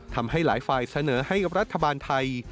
ทำให้หลายฝ่ายเสนอให้รัฐบาลไทย